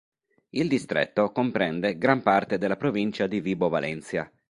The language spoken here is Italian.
Il distretto comprende gran parte della provincia di Vibo Valentia.